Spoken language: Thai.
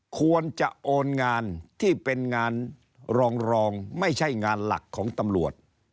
ควรจะโอนงานที่เป็นงานรองไม่ใช่งานหลักของตำรวจ